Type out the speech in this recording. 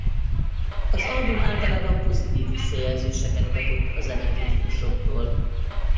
Az album általában pozitív visszajelzéseked kapott a zenekritikusoktól.